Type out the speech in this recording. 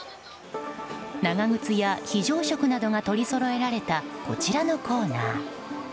長靴や、非常食などが取りそろえられたこちらのコーナー。